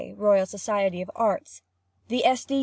Royal Society of Arts—the S. D.